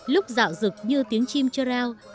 lúc dạo rực như tiếng chim chơ rào